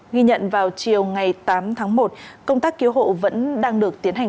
ghi nhận vào chiều ngày tám tháng một công tác cứu hộ vẫn đang được tiến hành